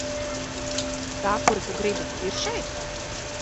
Tā kuru tu gribi, ir šeit?